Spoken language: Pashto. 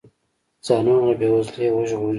ځانونه له بې وزلۍ وژغوري.